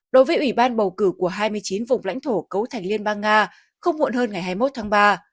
đối với ủy ban bầu cử của hai mươi chín vùng lãnh thổ cấu thành liên bang nga không muộn hơn ngày hai mươi một tháng ba